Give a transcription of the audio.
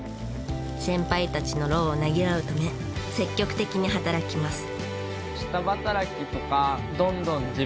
先輩たちの労をねぎらうため積極的に働きます。